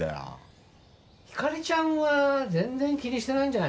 ひかりちゃんは全然気にしてないんじゃないの？